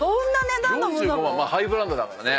４５万ハイブランドだからね。